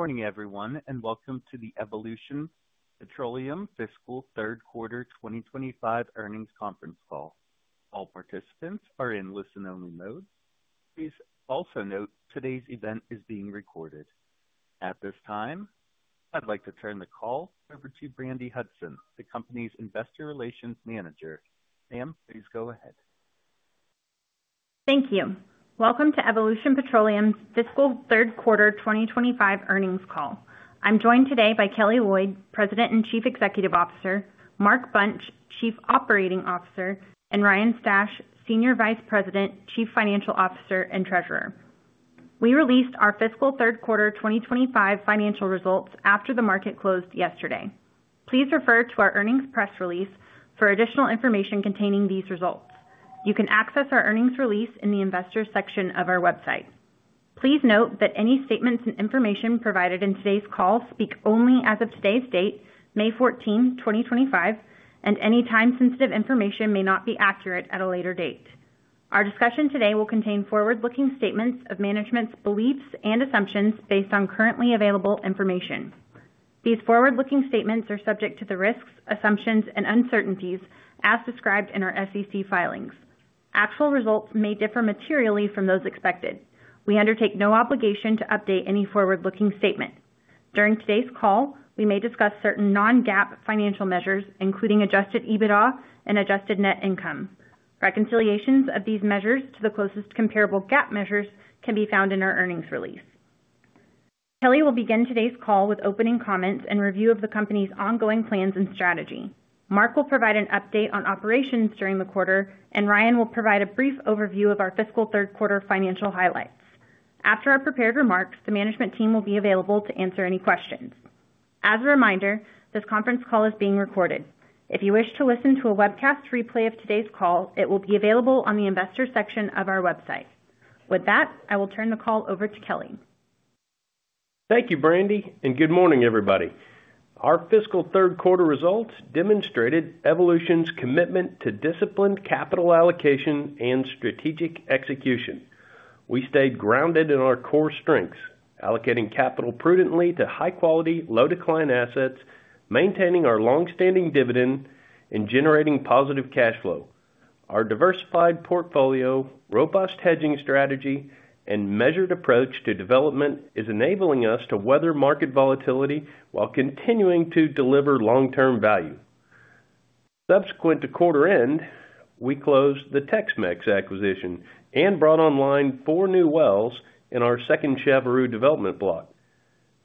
Good morning, everyone, and welcome to the Evolution Petroleum Fiscal Third Quarter 2025 Earnings Conference Call. All participants are in listen-only mode. Please also note today's event is being recorded. At this time, I'd like to turn the call over to Brandi Hudson, the company's Investor Relations Manager. Ma'am, please go ahead. Thank you. Welcome to Evolution Petroleum's Fiscal Third Quarter 2025 earnings call. I'm joined today by Kelly Loyd, President and Chief Executive Officer; Mark Bunch, Chief Operating Officer; and Ryan Stash, Senior Vice President, Chief Financial Officer, and Treasurer. We released our fiscal third-quarter 2025 financial results after the market closed yesterday. Please refer to our earnings press release for additional information containing these results. You can access our earnings release in the Investor section of our website. Please note that any statements and information provided in today's call speak only as of today's date, May 14, 2025, and any time-sensitive information may not be accurate at a later date. Our discussion today will contain forward-looking statements of management's beliefs and assumptions based on currently available information. These forward-looking statements are subject to the risks, assumptions, and uncertainties as described in our SEC filings. Actual results may differ materially from those expected. We undertake no obligation to update any forward-looking statement. During today's call, we may discuss certain non-GAAP financial measures, including adjusted EBITDA and adjusted net income. Reconciliations of these measures to the closest comparable GAAP measures can be found in our earnings release. Kelly will begin today's call with opening comments and review of the company's ongoing plans and strategy. Mark will provide an update on operations during the quarter, and Ryan will provide a brief overview of our fiscal third-quarter financial highlights. After our prepared remarks, the management team will be available to answer any questions. As a reminder, this conference call is being recorded. If you wish to listen to a webcast replay of today's call, it will be available on the Investor section of our website. With that, I will turn the call over to Kelly. Thank you, Brandi, and good morning, everybody. Our fiscal third-quarter results demonstrated Evolution's commitment to disciplined capital allocation and strategic execution. We stayed grounded in our core strengths, allocating capital prudently to high-quality, low-decline assets, maintaining our long-standing dividend, and generating positive cash flow. Our diversified portfolio, robust hedging strategy, and measured approach to development is enabling us to weather market volatility while continuing to deliver long-term value. Subsequent to quarter-end, we closed the Tex-Mex acquisition and brought online four new wells in our second Chaveroo development block.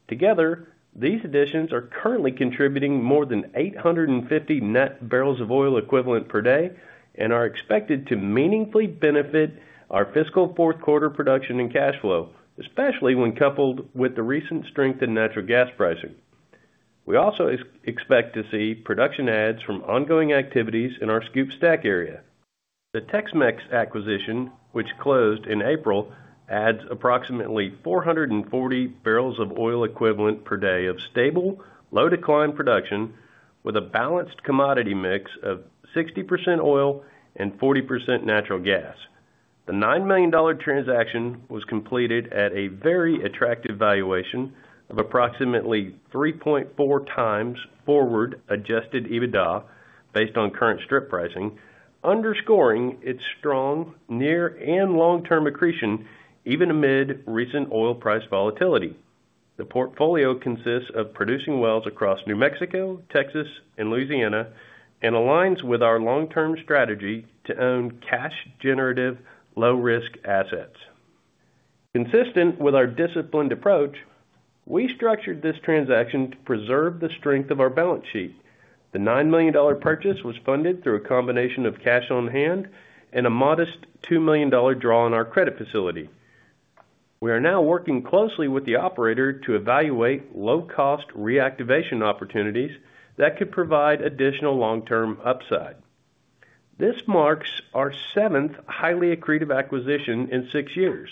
Together, these additions are currently contributing more than 850 net bbl of oil equivalent per day and are expected to meaningfully benefit our fiscal fourth-quarter production and cash flow, especially when coupled with the recent strength in natural gas pricing. We also expect to see production adds from ongoing activities in our SCOOP/STACK area. The Tex-Mex acquisition, which closed in April, adds approximately 440 bbl of oil equivalent per day of stable, low-decline production with a balanced commodity mix of 60% oil and 40% natural gas. The $9 million transaction was completed at a very attractive valuation of approximately 3.4x forward-adjusted EBITDA based on current strip pricing, underscoring its strong near and long-term accretion even amid recent oil price volatility. The portfolio consists of producing wells across New Mexico, Texas, and Louisiana and aligns with our long-term strategy to own cash-generative, low-risk assets. Consistent with our disciplined approach, we structured this transaction to preserve the strength of our balance sheet. The $9 million purchase was funded through a combination of cash on hand and a modest $2 million draw on our credit facility. We are now working closely with the operator to evaluate low-cost reactivation opportunities that could provide additional long-term upside. This marks our seventh highly accretive acquisition in six years,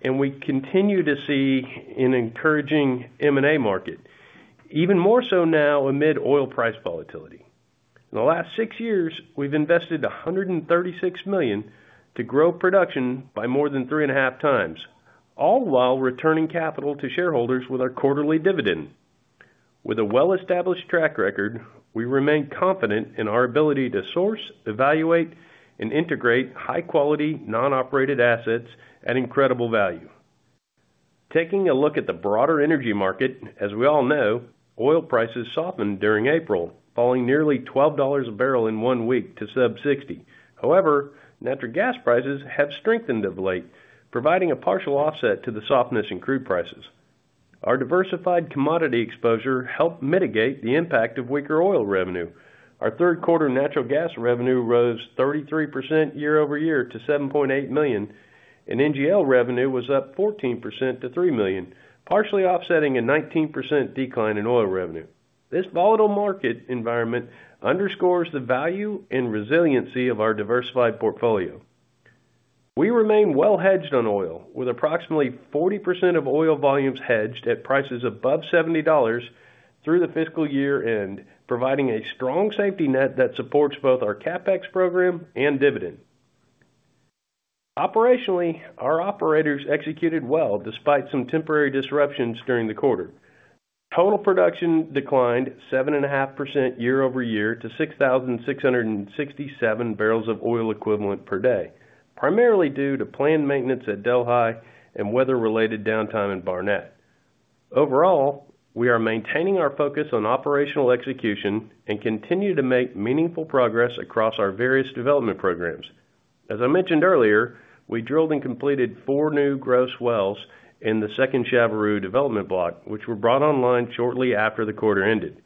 and we continue to see an encouraging M&A market, even more so now amid oil price volatility. In the last six years, we've invested $136 million to grow production by more than 3.5x, all while returning capital to shareholders with our quarterly dividend. With a well-established track record, we remain confident in our ability to source, evaluate, and integrate high-quality non-operated assets at incredible value. Taking a look at the broader energy market, as we all know, oil prices softened during April, falling nearly $12 a barrel in one week to sub-$60. However, natural gas prices have strengthened of late, providing a partial offset to the softness in crude prices. Our diversified commodity exposure helped mitigate the impact of weaker oil revenue. Our third-quarter natural gas revenue rose 33% year over year to $7.8 million, and NGL revenue was up 14% to $3 million, partially offsetting a 19% decline in oil revenue. This volatile market environment underscores the value and resiliency of our diversified portfolio. We remain well-hedged on oil, with approximately 40% of oil volumes hedged at prices above $70 through the fiscal year-end, providing a strong safety net that supports both our CapEx program and dividend. Operationally, our operators executed well despite some temporary disruptions during the quarter. Total production declined 7.5% year over year to 6,667 bbl of oil equivalent per day, primarily due to planned maintenance at Delhi and weather-related downtime in Barnett. Overall, we are maintaining our focus on operational execution and continue to make meaningful progress across our various development programs. As I mentioned earlier, we drilled and completed four new gross wells in the second Chaveroo development block, which were brought online shortly after the quarter ended.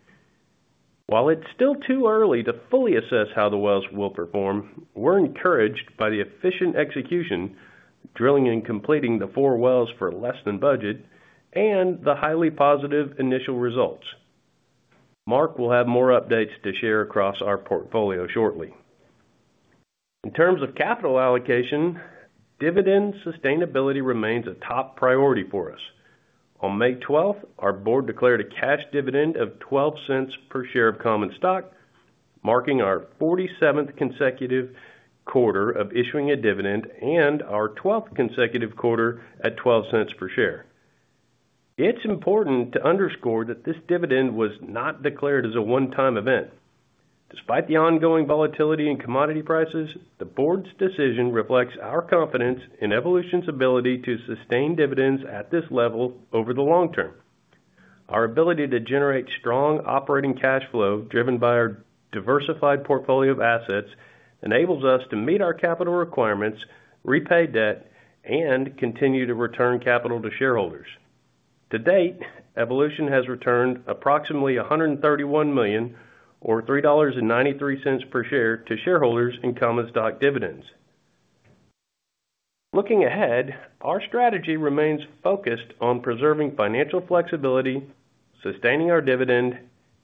While it's still too early to fully assess how the wells will perform, we're encouraged by the efficient execution, drilling and completing the four wells for less than budget, and the highly positive initial results. Mark will have more updates to share across our portfolio shortly. In terms of capital allocation, dividend sustainability remains a top priority for us. On May 12, our board declared a cash dividend of $0.12 per share of common stock, marking our 47th consecutive quarter of issuing a dividend and our 12th consecutive quarter at $0.12 per share. It's important to underscore that this dividend was not declared as a one-time event. Despite the ongoing volatility in commodity prices, the board's decision reflects our confidence in Evolution's ability to sustain dividends at this level over the long term. Our ability to generate strong operating cash flow driven by our diversified portfolio of assets enables us to meet our capital requirements, repay debt, and continue to return capital to shareholders. To date, Evolution has returned approximately $131 million, or $3.93 per share, to shareholders in common stock dividends. Looking ahead, our strategy remains focused on preserving financial flexibility, sustaining our dividend,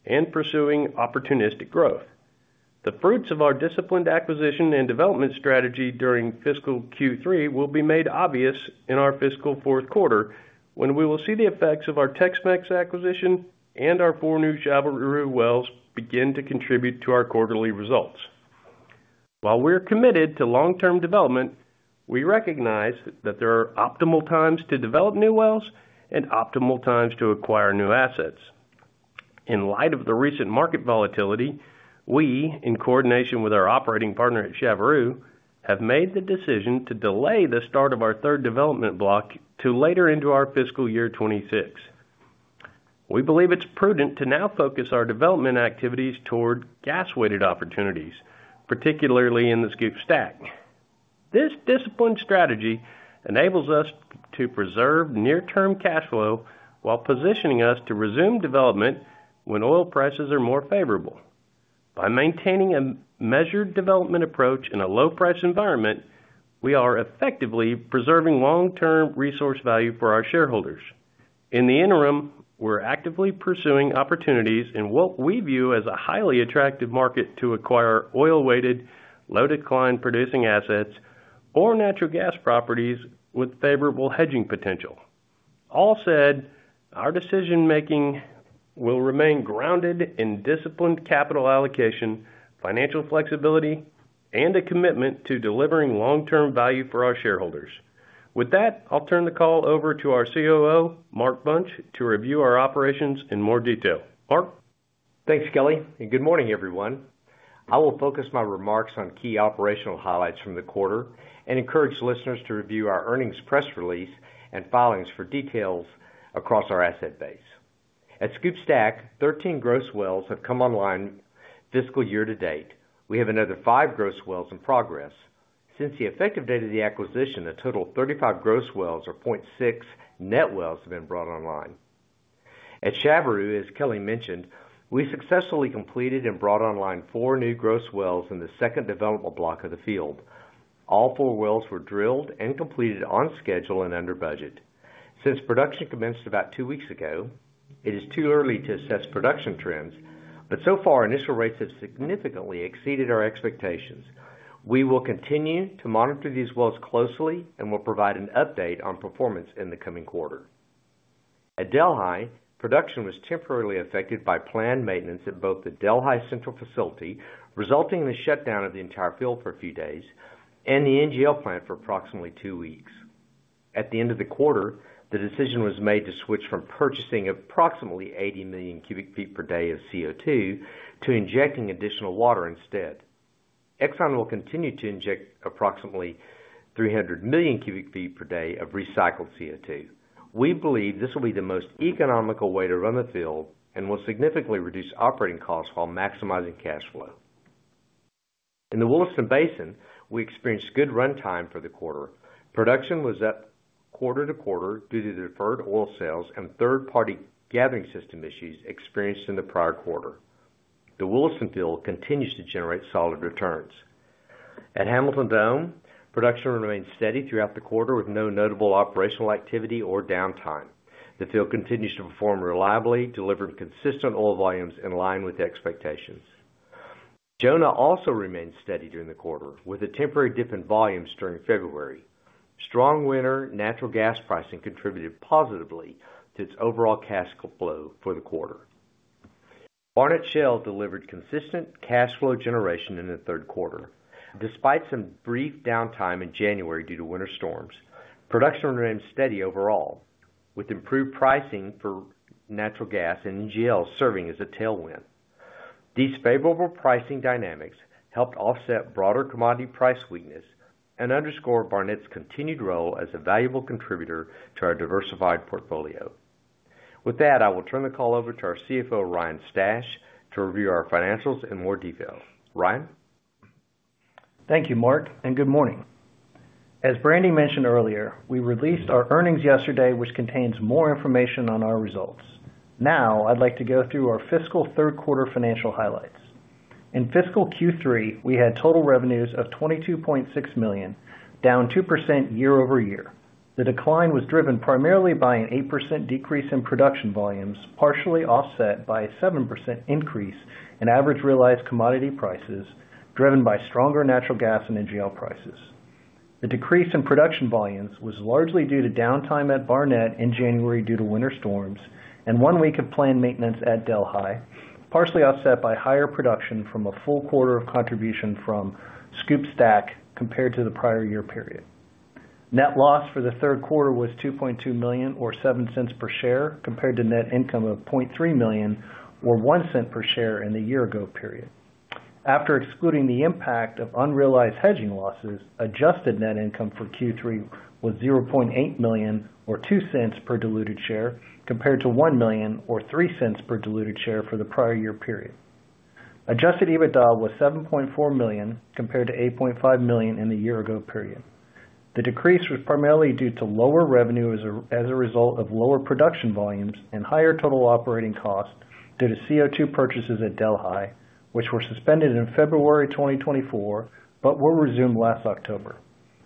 and pursuing opportunistic growth. The fruits of our disciplined acquisition and development strategy during fiscal Q3 will be made obvious in our fiscal fourth quarter when we will see the effects of our Tex-Mex acquisition and our four new Chaveroo wells begin to contribute to our quarterly results. While we're committed to long-term development, we recognize that there are optimal times to develop new wells and optimal times to acquire new assets. In light of the recent market volatility, we, in coordination with our operating partner at Chaveroo, have made the decision to delay the start of our third development block to later into our fiscal year 2026. We believe it's prudent to now focus our development activities toward gas-weighted opportunities, particularly in the SCOOP/STACK. This disciplined strategy enables us to preserve near-term cash flow while positioning us to resume development when oil prices are more favorable. By maintaining a measured development approach in a low-price environment, we are effectively preserving long-term resource value for our shareholders. In the interim, we're actively pursuing opportunities in what we view as a highly attractive market to acquire oil-weighted, low-decline producing assets or natural gas properties with favorable hedging potential. All said, our decision-making will remain grounded in disciplined capital allocation, financial flexibility, and a commitment to delivering long-term value for our shareholders. With that, I'll turn the call over to our COO, Mark Bunch, to review our operations in more detail. Mark. Thanks, Kelly, and good morning, everyone. I will focus my remarks on key operational highlights from the quarter and encourage listeners to review our earnings press release and filings for details across our asset base. At SCOOP/STACK, 13 gross wells have come online fiscal year to date. We have another five gross wells in progress. Since the effective date of the acquisition, a total of 35 gross wells or 0.6 net wells have been brought online. At Chaveroo, as Kelly mentioned, we successfully completed and brought online four new gross wells in the second development block of the field. All four wells were drilled and completed on schedule and under budget. Since production commenced about two weeks ago, it is too early to assess production trends, but so far initial rates have significantly exceeded our expectations. We will continue to monitor these wells closely and will provide an update on performance in the coming quarter. At Delhi, production was temporarily affected by planned maintenance at both the Delhi Central Facility, resulting in the shutdown of the entire field for a few days, and the NGL plant for approximately two weeks. At the end of the quarter, the decision was made to switch from purchasing approximately 80 million cu ft per day of CO2 to injecting additional water instead. Exxon will continue to inject approximately 300 million cu ft per day of recycled CO2. We believe this will be the most economical way to run the field and will significantly reduce operating costs while maximizing cash flow. In the Williston Basin, we experienced good runtime for the quarter. Production was up quarter-to-quarter due to deferred oil sales and third-party gathering system issues experienced in the prior quarter. The Williston field continues to generate solid returns. At Hamilton Dome, production remained steady throughout the quarter with no notable operational activity or downtime. The field continues to perform reliably, delivering consistent oil volumes in line with expectations. Jonah also remained steady during the quarter with a temporary dip in volumes during February. Strong winter natural gas pricing contributed positively to its overall cash flow for the quarter. Barnett Shale delivered consistent cash flow generation in the third quarter. Despite some brief downtime in January due to winter storms, production remained steady overall, with improved pricing for natural gas and NGL serving as a tailwind. These favorable pricing dynamics helped offset broader commodity price weakness and underscore Barnett's continued role as a valuable contributor to our diversified portfolio. With that, I will turn the call over to our CFO, Ryan Stash, to review our financials in more detail. Ryan? Thank you, Mark, and good morning. As Brandi mentioned earlier, we released our earnings yesterday, which contains more information on our results. Now, I'd like to go through our fiscal third quarter financial highlights. In fiscal Q3, we had total revenues of $22.6 million, down 2% year-over-year. The decline was driven primarily by an 8% decrease in production volumes, partially offset by a 7% increase in average realized commodity prices driven by stronger natural gas and NGL prices. The decrease in production volumes was largely due to downtime at Barnett in January due to winter storms and one week of planned maintenance at Delhi, partially offset by higher production from a full quarter of contribution from SCOOP/STACK compared to the prior-year period. Net loss for the third quarter was $2.2 million, or $0.07 per share, compared to net income of $0.3 million, or $0.01 per share in the year-ago period. After excluding the impact of unrealized hedging losses, adjusted net income for Q3 was $0.8 million, or $0.02 per diluted share, compared to $1 million, or $0.03 per diluted share for the prior-year period. Adjusted EBITDA was $7.4 million, compared to $8.5 million in the year-ago period. The decrease was primarily due to lower revenue as a result of lower production volumes and higher total operating costs due to CO2 purchases at Delhi, which were suspended in February 2024 but were resumed last October.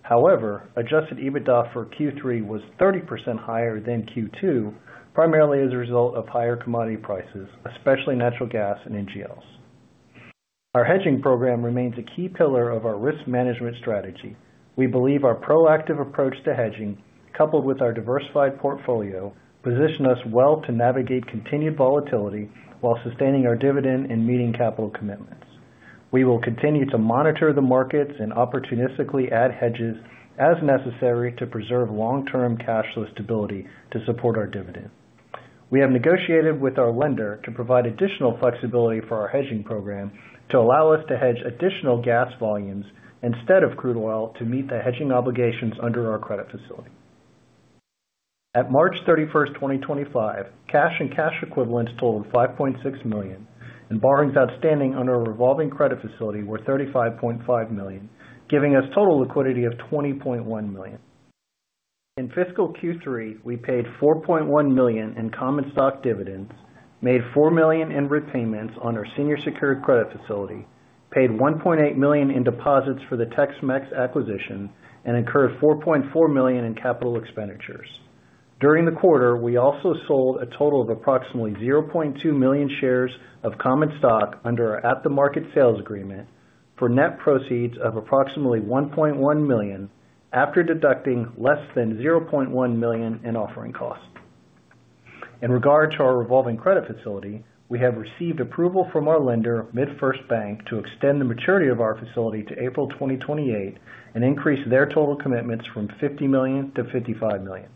However, adjusted EBITDA for Q3 was 30% higher than Q2, primarily as a result of higher commodity prices, especially natural gas and NGLs. Our hedging program remains a key pillar of our risk management strategy. We believe our proactive approach to hedging, coupled with our diversified portfolio, positions us well to navigate continued volatility while sustaining our dividend and meeting capital commitments. We will continue to monitor the markets and opportunistically add hedges as necessary to preserve long-term cash flow stability to support our dividend. We have negotiated with our lender to provide additional flexibility for our hedging program to allow us to hedge additional gas volumes instead of crude oil to meet the hedging obligations under our credit facility. At March 31st, 2025, cash and cash equivalents totaled $5.6 million, and borrowings outstanding under a revolving credit facility were $35.5 million, giving us total liquidity of $20.1 million. In fiscal Q3, we paid $4.1 million in common stock dividends, made $4 million in repayments on our senior secured credit facility, paid $1.8 million in deposits for the Tex-Mex acquisition, and incurred $4.4 million in capital expenditures. During the quarter, we also sold a total of approximately 0.2 million shares of common stock under our at-the-market sales agreement for net proceeds of approximately $1.1 million after deducting less than $0.1 million in offering costs. In regard to our revolving credit facility, we have received approval from our lender, MidFirst Bank, to extend the maturity of our facility to April 2028 and increase their total commitments from $50 million to $55 million.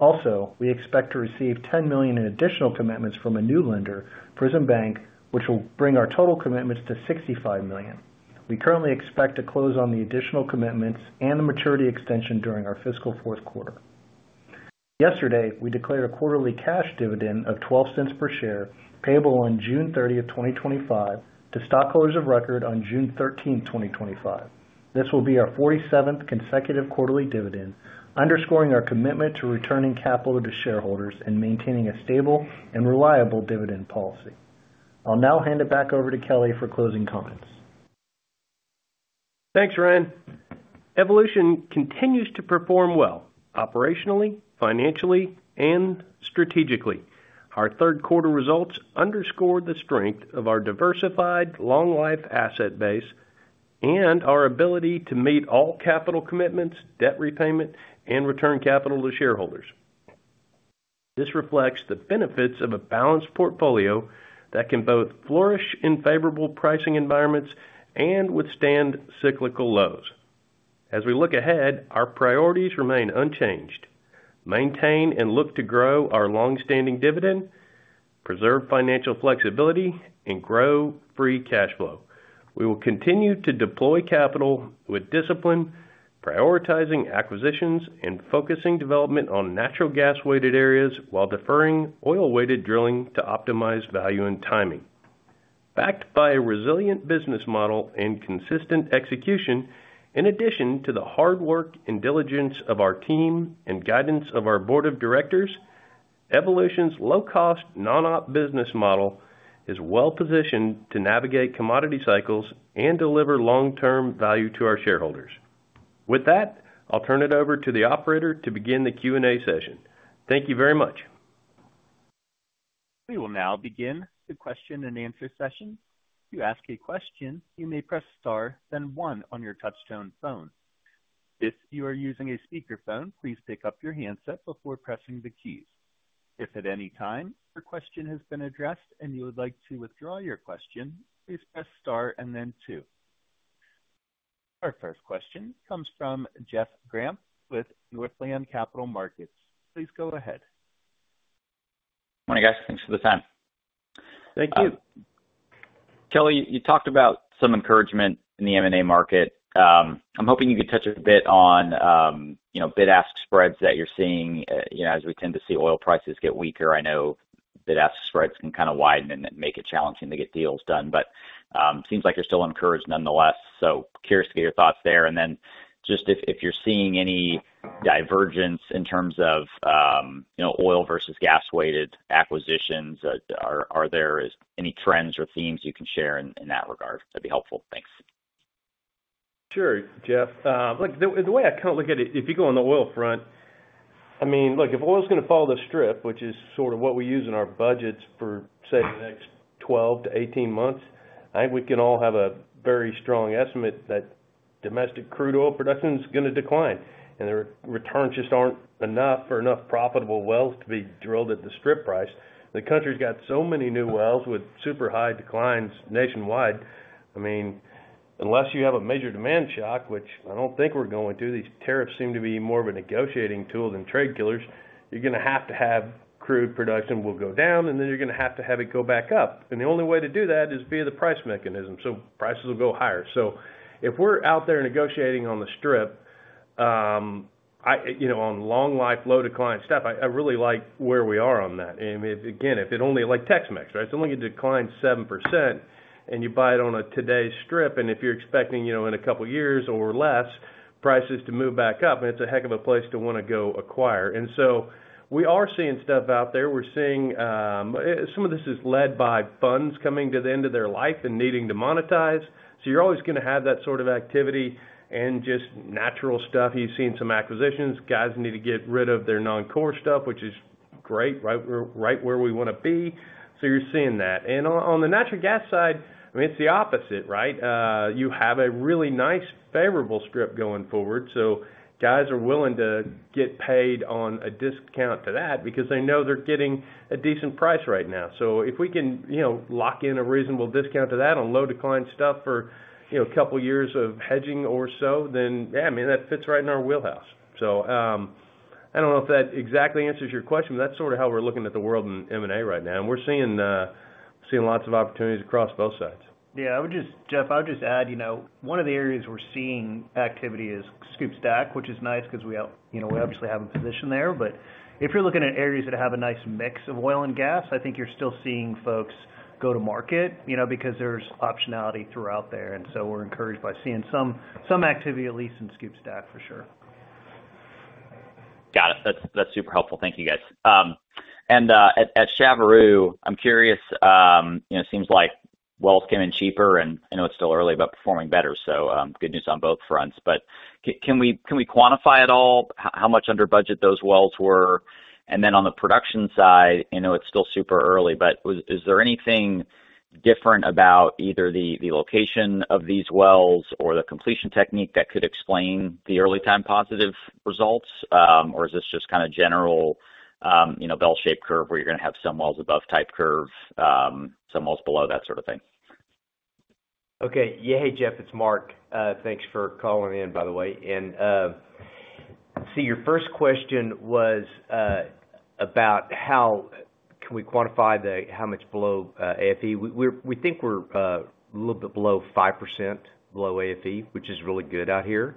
Also, we expect to receive $10 million in additional commitments from a new lender, Prism Bank, which will bring our total commitments to $65 million. We currently expect to close on the additional commitments and the maturity extension during our fiscal fourth quarter. Yesterday, we declared a quarterly cash dividend of $0.12 per share, payable on June 30th, 2025, to stockholders of record on June 13th, 2025. This will be our 47th consecutive quarterly dividend, underscoring our commitment to returning capital to shareholders and maintaining a stable and reliable dividend policy. I'll now hand it back over to Kelly for closing comments. Thanks, Ryan. Evolution continues to perform well operationally, financially, and strategically. Our third quarter results underscore the strength of our diversified long-life asset base and our ability to meet all capital commitments, debt repayment, and return capital to shareholders. This reflects the benefits of a balanced portfolio that can both flourish in favorable pricing environments and withstand cyclical lows. As we look ahead, our priorities remain unchanged: maintain and look to grow our long-standing dividend, preserve financial flexibility, and grow free cash flow. We will continue to deploy capital with discipline, prioritizing acquisitions and focusing development on natural gas-weighted areas while deferring oil-weighted drilling to optimize value and timing. Backed by a resilient business model and consistent execution, in addition to the hard work and diligence of our team and guidance of our Board of Directors, Evolution's low-cost, non-op business model is well-positioned to navigate commodity cycles and deliver long-term value to our shareholders. With that, I'll turn it over to the operator to begin the Q&A session. Thank you very much. We will now begin the question-and-answer session. To ask a question, you may press star, then one on your touch-tone phone. If you are using a speakerphone, please pick up your handset before pressing the keys. If at any time your question has been addressed and you would like to withdraw your question, please press star and then two. Our first question comes from Jeff Grampp with Northland Capital Markets. Please go ahead. Morning, guys. Thanks for the time. Thank you. Kelly, you talked about some encouragement in the M&A market. I'm hoping you could touch a bit on bid-ask spreads that you're seeing as we tend to see oil prices get weaker. I know bid-ask spreads can kind of widen and make it challenging to get deals done, but it seems like you're still encouraged nonetheless. Curious to get your thoughts there. If you're seeing any divergence in terms of oil versus gas-weighted acquisitions, are there any trends or themes you can share in that regard? That'd be helpful. Thanks. Sure, Jeff. Look, the way I kind of look at it, if you go on the oil front, I mean, look, if oil's going to follow the strip, which is sort of what we use in our budgets for, say, the next 12 to 18 months, I think we can all have a very strong estimate that domestic crude oil production is going to decline. The returns just aren't enough for enough profitable wells to be drilled at the strip price. The country's got so many new wells with super high declines nationwide. I mean, unless you have a major demand shock, which I don't think we're going to, these tariffs seem to be more of a negotiating tool than trade killers, you're going to have to have crude production go down, and then you're going to have to have it go back up. The only way to do that is via the price mechanism. Prices will go higher. If we're out there negotiating on the strip, on long-life, low-decline stuff, I really like where we are on that. Again, if it only, like Tex-Mex, if it only declines 7% and you buy it on today's strip, and if you're expecting in a couple of years or less, prices to move back up, it's a heck of a place to want to go acquire. We are seeing stuff out there. We're seeing some of this is led by funds coming to the end of their life and needing to monetize. You're always going to have that sort of activity and just natural stuff. You've seen some acquisitions. Guys need to get rid of their non-core stuff, which is great, right? We're right where we want to be. You're seeing that. On the natural gas side, I mean, it's the opposite, right? You have a really nice, favorable strip going forward. Guys are willing to get paid on a discount to that because they know they're getting a decent price right now. If we can lock in a reasonable discount to that on low-decline stuff for a couple of years of hedging or so, then, yeah, I mean, that fits right in our wheelhouse. I don't know if that exactly answers your question, but that's sort of how we're looking at the world in M&A right now. We're seeing lots of opportunities across both sides. Yeah. I would just, Jeff, I would just add, you know, one of the areas we're seeing activity is SCOOP/STACK, which is nice because we obviously have a position there. If you're looking at areas that have a nice mix of oil and gas, I think you're still seeing folks go to market because there's optionality throughout there. We are encouraged by seeing some activity, at least in SCOOP/STACK, for sure. Got it. That's super helpful. Thank you, guys. At Chaveroo, I'm curious, it seems like wells came in cheaper, and I know it's still early, but performing better. Good news on both fronts. Can we quantify at all how much under budget those wells were? On the production side, I know it's still super early, but is there anything different about either the location of these wells or the completion technique that could explain the early-time positive results? Is this just kind of general bell-shaped curve where you're going to have some wells above-type curve, some wells below, that sort of thing? Okay. Yeah. Hey, Jeff, it's Mark. Thanks for calling in, by the way. Your first question was about how can we quantify how much below AFE? We think we're a little bit below 5% below AFE, which is really good out here.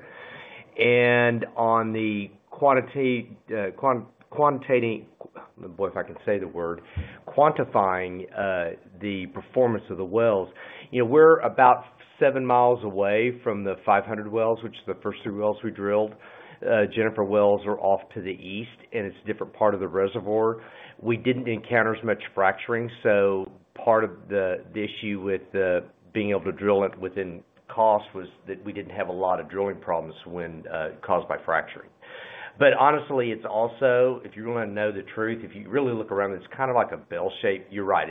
On the quantitating—boy, if I can say the word—quantifying the performance of the wells, we're about seven miles away from the 500 wells, which is the first three wells we drilled. Jennifer Wells are off to the east, and it's a different part of the reservoir. We didn't encounter as much fracturing. Part of the issue with being able to drill it within cost was that we didn't have a lot of drilling problems caused by fracturing. Honestly, if you're going to know the truth, if you really look around, it's kind of like a bell shape. You're right.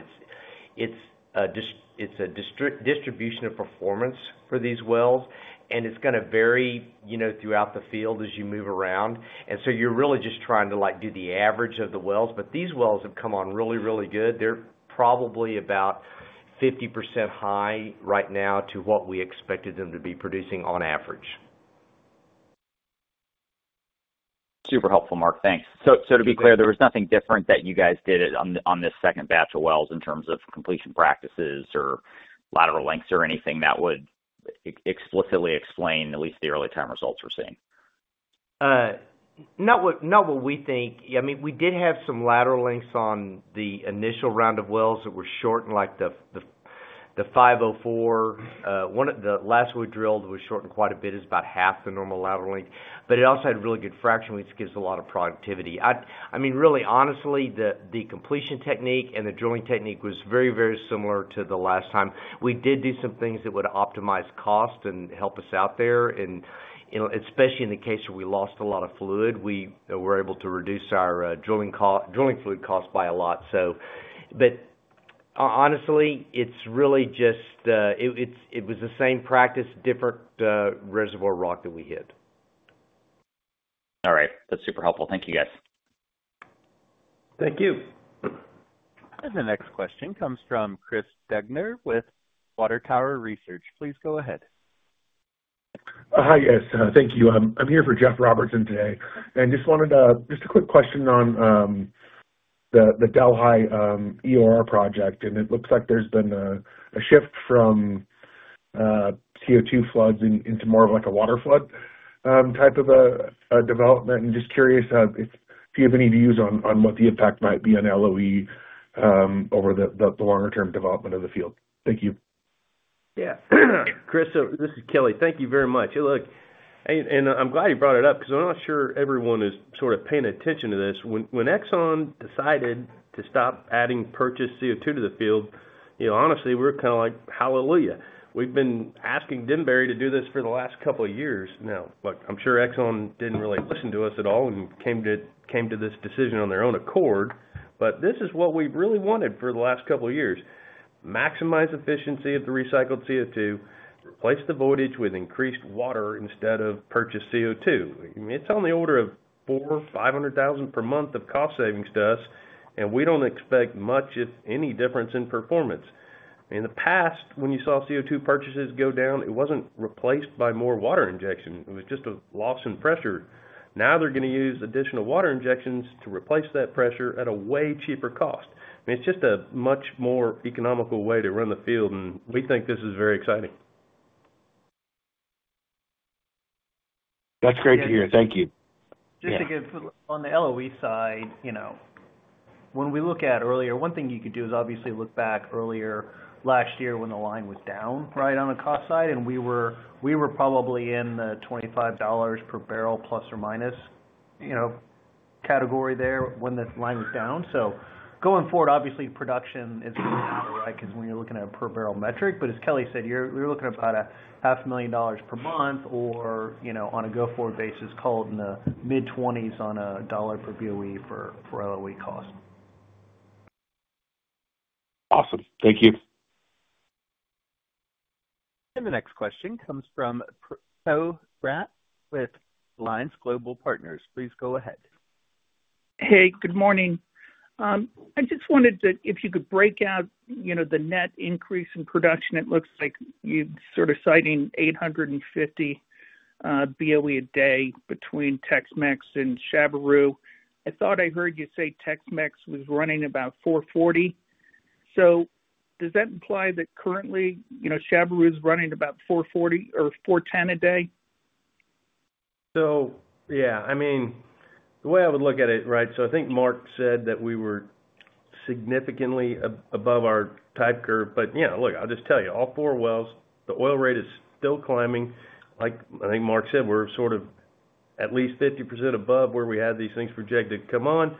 It's a distribution of performance for these wells, and it's going to vary throughout the field as you move around. You are really just trying to do the average of the wells. These wells have come on really, really good. They are probably about 50% high right now to what we expected them to be producing on average. Super helpful, Mark. Thanks. To be clear, there was nothing different that you guys did on this second batch of wells in terms of completion practices or lateral lengths or anything that would explicitly explain, at least, the early-time results we're seeing? Not what we think. I mean, we did have some lateral lengths on the initial round of wells that were shortened, like the 504. The last we drilled was shortened quite a bit. It is about half the normal lateral length. It also had really good fracturing, which gives a lot of productivity. I mean, really, honestly, the completion technique and the drilling technique was very, very similar to the last time. We did do some things that would optimize cost and help us out there, especially in the case where we lost a lot of fluid. We were able to reduce our drilling fluid cost by a lot. Honestly, it is really just it was the same practice, different reservoir rock that we hit. All right. That's super helpful. Thank you, guys. Thank you. The next question comes from Chris Degner with Water Tower Research. Please go ahead. Hi, yes. Thank you. I'm here for Jeff Robertson today. I just wanted just a quick question on the Delhi EOR project. It looks like there's been a shift from CO2 floods into more of like a water flood type of a development. I'm just curious if you have any views on what the impact might be on LOE over the longer-term development of the field. Thank you. Yeah. Chris, this is Kelly. Thank you very much. Look, and I'm glad you brought it up because I'm not sure everyone is sort of paying attention to this. When Exxon decided to stop adding purchased CO2 to the field, honestly, we're kind of like, "Hallelujah." We've been asking Denbury to do this for the last couple of years now. Look, I'm sure Exxon didn't really listen to us at all and came to this decision on their own accord. But this is what we really wanted for the last couple of years: maximize efficiency of the recycled CO2, replace the voidage with increased water instead of purchased CO2. I mean, it's on the order of $400,000-$500,000 per month of cost savings to us, and we don't expect much, if any, difference in performance. In the past, when you saw CO2 purchases go down, it wasn't replaced by more water injection. It was just a loss in pressure. Now they're going to use additional water injections to replace that pressure at a way cheaper cost. I mean, it's just a much more economical way to run the field, and we think this is very exciting. That's great to hear. Thank you. Just to give on the LOE side, when we look at earlier, one thing you could do is obviously look back earlier last year when the line was down, right, on the cost side. And we were probably in the $25 per barrel plus or minus category there when the line was down. Going forward, obviously, production is going to matter, right, because when you're looking at a per metric. As Kelly said, we're looking at about $5 million per month or, on a go-forward basis, call it in the mid-20s on a dollar per BOE for LOE cost. Awesome. Thank you. The next question comes from Poe Fratt with Alliance Global Partners. Please go ahead. Hey, good morning. I just wanted to, if you could break out the net increase in production. It looks like you're sort of citing 850 BOE a day between Tex-Mex and Chaveroo. I thought I heard you say Tex-Mex was running about 440. So does that imply that currently Chaveroo is running about 440 or 410 a day? Yeah. I mean, the way I would look at it, right, I think Mark said that we were significantly above our type curve. Yeah, look, I'll just tell you, all four wells, the oil rate is still climbing. Like I think Mark said, we're sort of at least 50% above where we had these things projected to come on.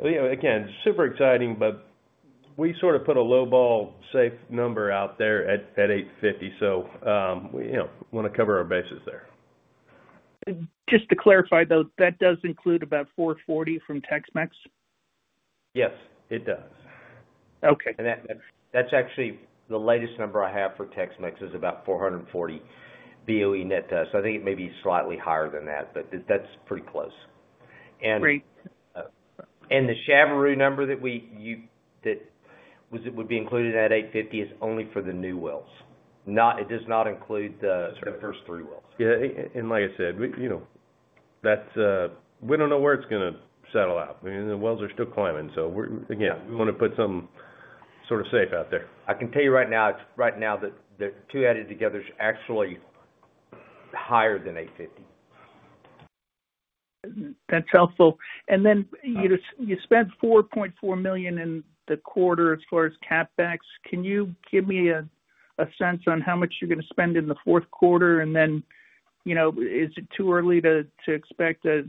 Again, super exciting, but we sort of put a low-ball safe number out there at 850. We want to cover our bases there. Just to clarify, though, that does include about 440 from Tex-Mex? Yes, it does. That is actually the latest number I have for Tex-Mex is about 440 BOE net test. I think it may be slightly higher than that, but that is pretty close. The Chaveroo number that would be included at 850 is only for the new wells. It does not include the first three wells. Yeah. Like I said, we do not know where it is going to settle out. I mean, the wells are still climbing. Again, we want to put something sort of safe out there. I can tell you right now, the two added together is actually higher than 850. That's helpful. You spent $4.4 million in the quarter as far as CapEx. Can you give me a sense on how much you're going to spend in the fourth quarter? Is it too early to expect a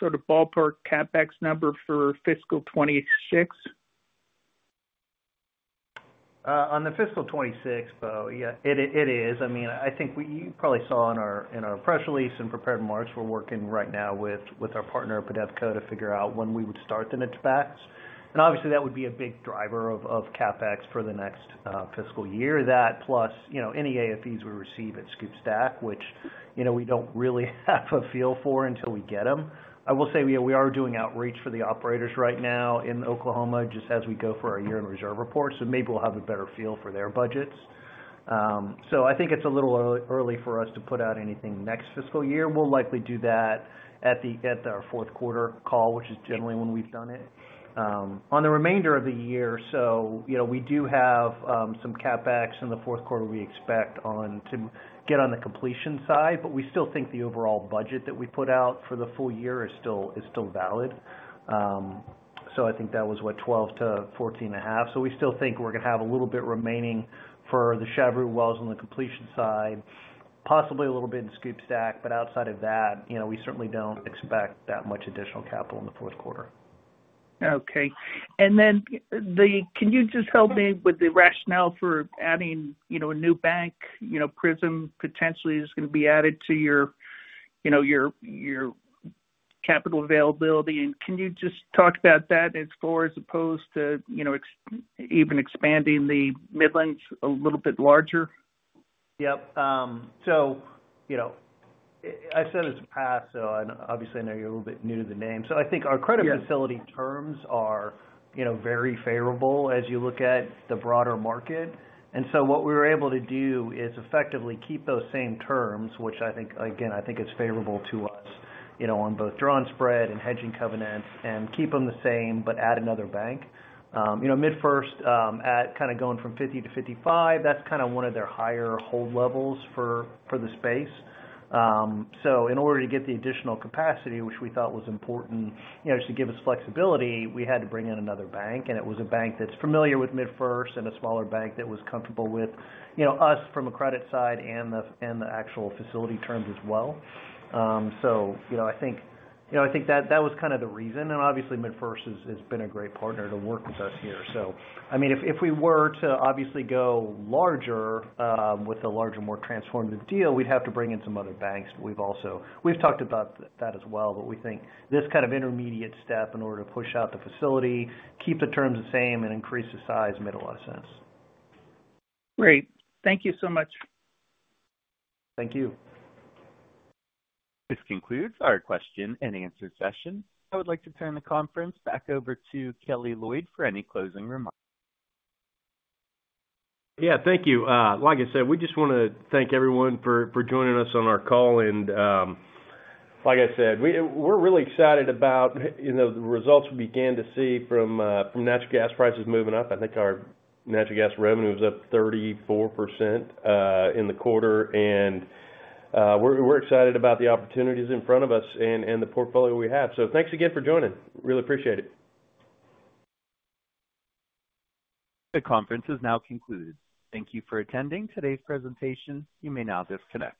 sort of ballpark CapEx number for fiscal 2026? On the fiscal 2026, though, yeah, it is. I mean, I think you probably saw in our press release and prepared remarks, we're working right now with our partner, PEDEVCO, to figure out when we would start the niche batch. Obviously, that would be a big driver of CapEx for the next fiscal year. That plus any AFEs we receive at SCOOP/STACK, which we do not really have a feel for until we get them. I will say we are doing outreach for the operators right now in Oklahoma just as we go for our year-end reserve report. Maybe we will have a better feel for their budgets. I think it is a little early for us to put out anything next fiscal year. We will likely do that at our fourth quarter call, which is generally when we have done it. On the remainder of the year, we do have some CapEx in the fourth-quarter we expect to get on the completion side, but we still think the overall budget that we put out for the full year is still valid. I think that was, what, $12 million-$14.5 million. We still think we are going to have a little bit remaining for the Chaveroo wells on the completion side, possibly a little bit in SCOOP/STACK. Outside of that, we certainly do not expect that much additional capital in the fourth quarter. Okay. Can you just help me with the rationale for adding a new bank, Prism, potentially is going to be added to your capital availability? Can you just talk about that as far as opposed to even expanding the MidFirst a little bit larger? Yep. I said this in the past, so obviously, I know you're a little bit new to the name. I think our credit facility terms are very favorable as you look at the broader market. What we were able to do is effectively keep those same terms, which I think, again, is favorable to us on both drawn spread and hedging covenants, and keep them the same but add another bank. MidFirst at kind of going from $50 million to $55 million, that's kind of one of their higher hold levels for the space. In order to get the additional capacity, which we thought was important to give us flexibility, we had to bring in another bank. It was a bank that's familiar with MidFirst and a smaller bank that was comfortable with us from a credit side and the actual facility terms as well. I think that was kind of the reason. Obviously, MidFirst has been a great partner to work with us here. I mean, if we were to obviously go larger with a larger, more transformative deal, we'd have to bring in some other banks. We've talked about that as well, but we think this kind of intermediate step in order to push out the facility, keep the terms the same, and increase the size made a lot of sense. Great. Thank you so much. Thank you. This concludes our question and answer session. I would like to turn the conference back over to Kelly Loyd for any closing remarks. Yeah. Thank you. Like I said, we just want to thank everyone for joining us on our call. Like I said, we're really excited about the results we began to see from natural gas prices moving up. I think our natural gas revenue was up 34% in the quarter. We're excited about the opportunities in front of us and the portfolio we have. Thanks again for joining. Really appreciate it. The conference is now concluded. Thank you for attending today's presentation. You may now disconnect.